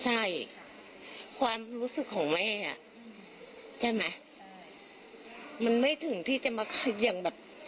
ใช่ค่ะความรู้สึกของแม่อ่ะใช่ไหมใช่มันไม่ถึงที่จะมาอย่างแบบ